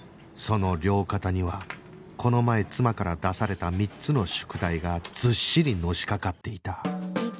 その両肩にはこの前妻から出された３つの宿題がずっしりのしかかっていた